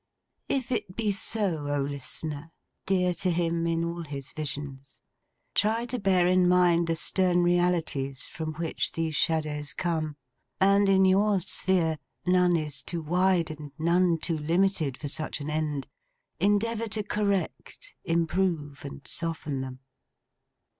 If it be so, O listener, dear to him in all his visions, try to bear in mind the stern realities from which these shadows come; and in your sphere—none is too wide, and none too limited for such an end—endeavour to correct, improve, and soften them.